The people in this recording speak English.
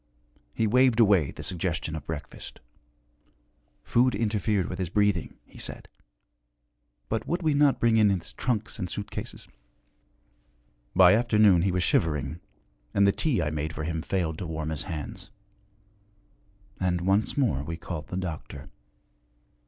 He waved away the suggestion of breakfast. Food interfered with his breathing, he said; but would we not bring in his trunks and suitcases? By afternoon he was shivering, and the tea I made for him failed to warm his hands. And once more we called the doctor.